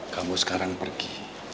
kamu sekarang pergi